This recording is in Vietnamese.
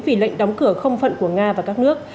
vì lệnh đóng cửa không phận của nga và các nước